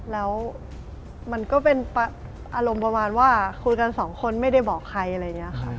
แล้วมันก็เป็นอารมณ์ประมาณว่าคุยกันสองคนไม่ได้บอกใครอะไรอย่างนี้ค่ะ